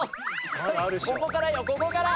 ここからよここから！